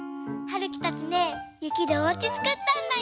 るきたちねゆきでおうちつくったんだよ！